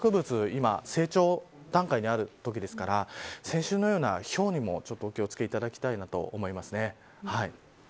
今、成長段階にあるときですから先週のような、ひょうにもちょっとお気を付けいただきたいなと思います。